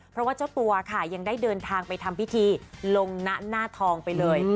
เพราะว่าเจ้าตัวค่ะยังได้เดินทางไปทำพิธีลงนะหน้าทองไปเลย